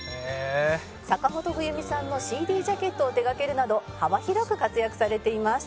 「坂本冬美さんのＣＤジャケットを手がけるなど幅広く活躍されています」